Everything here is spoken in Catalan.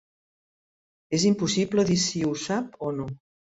És impossible dir si ho sap o no.